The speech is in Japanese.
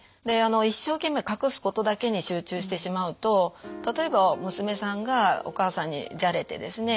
一生懸命隠すことだけに集中してしまうと例えば娘さんがお母さんにじゃれてですね